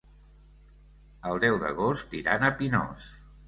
El deu d'agost iran a Pinós.